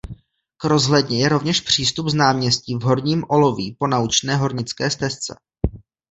K rozhledně je rovněž přístup z náměstí v Horním Oloví po naučné hornické stezce.